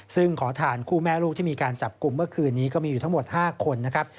ซึ่งขอทานคู่แม่ลูกที่มีการจับกลุ่มเมื่อคืนนี้ก็มีอยู่ทั้งหมด๕คนนะครับ